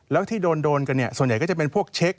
แล้วที่โดนกันเนี่ยส่วนใหญ่ก็จะเป็นพวกเช็ค